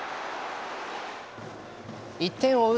１点を追う